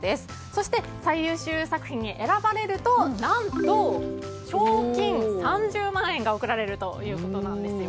そして、最優秀作品に選ばれると賞金３０万円が贈られるということです。